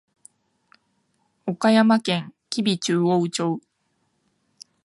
岡山県吉備中央町